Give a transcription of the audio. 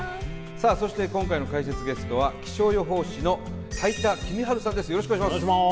さあそして今回の解説ゲストは気象予報士の斉田季実治さんです